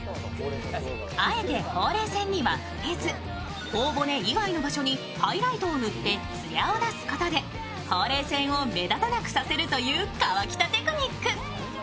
あえてほうれい線には触れず頬骨以外の場所にハイライトを塗ってつやを出すことで、ほうれい線を目立たなくさせるという河北テクニック。